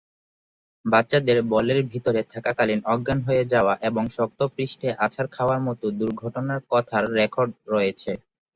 বাচ্চাদের বলের ভিতরে থাকাকালীন অজ্ঞান হয়ে যাওয়া এবং শক্ত পৃষ্ঠে আছাড় খাওয়ার মতো দুর্ঘটনার কথার রেকর্ড রয়েছে।